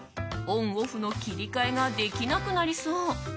オンオフの切り替えができなくなりそう。